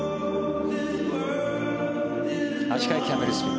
足換えキャメルスピン。